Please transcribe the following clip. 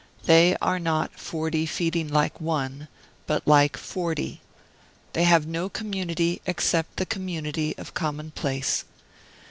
They are not "forty feeding like one," but like forty. They have no community, except the community of commonplace.